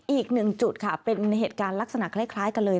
อีกหนึ่งจุดค่ะเป็นเหตุการณ์ลักษณะคล้ายกันเลย